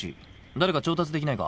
誰か調達できないか？